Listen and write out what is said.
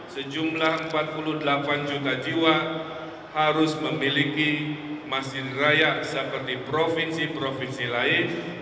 sejumlah empat puluh delapan juta jiwa harus memiliki masjid raya seperti provinsi provinsi lain